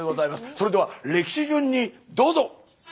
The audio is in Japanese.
それでは歴史順にどうぞ！